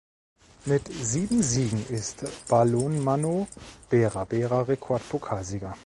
Mit sieben Siegen ist Balonmano Bera Bera Rekordpokalsieger.